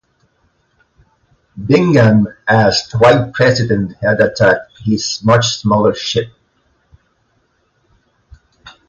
Bingham asked why "President" had attacked his much smaller ship.